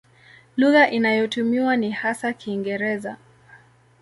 Lugha inayotumiwa ni hasa Kiingereza.